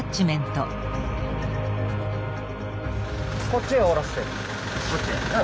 こっちへおろして。